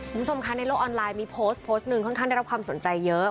คุณผู้ชมคะในโลกออนไลน์มีโพสต์โพสต์หนึ่งค่อนข้างได้รับความสนใจเยอะ